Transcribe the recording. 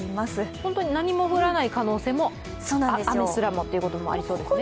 本当に何も降らない可能性も、雨すらもということもありそうですね。